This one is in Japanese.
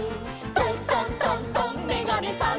「トントントントンめがねさん」